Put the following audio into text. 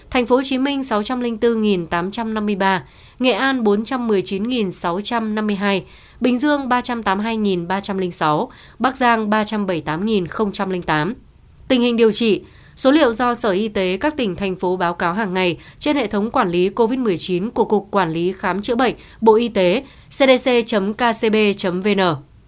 tình hình điều trị số liệu do sở y tế các tỉnh thành phố báo cáo hàng ngày trên hệ thống quản lý covid một mươi chín của cục quản lý khám chữa bệnh bộ y tế cdc kcb vn